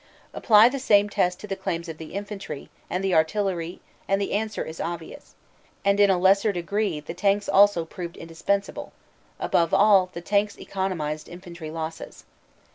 Apply the same test to the claims of the infantry and the artillery, and the 76 CANADA S HUNDRED DAYS answer is obvious; and in lesser degree the tanks also proved indispensable above all the tanks economized infantry losses.